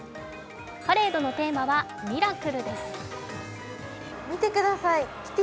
パレードのテーマは「奇跡」です。